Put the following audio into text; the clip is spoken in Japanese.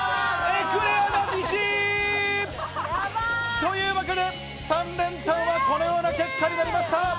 エクレアが１位。というわけで、３連単はこのような結果になりました。